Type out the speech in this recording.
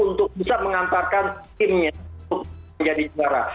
untuk bisa mengantarkan timnya untuk menjadi juara